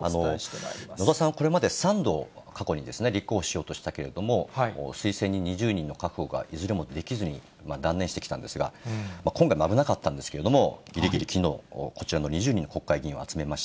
野田さんはこれまで３度過去に立候補しようとしたけれども、推薦人２０人の確保がいずれもできずに断念してきたんですが、今回も危なかったんですけれども、ぎりぎりきのう、こちらの２０人の国会議員を集めました。